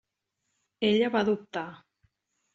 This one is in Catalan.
Ella va dubtar.